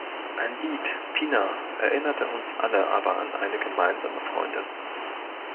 Ein Lied, Pina, erinnerte uns alle aber an eine gemeinsame Freundin.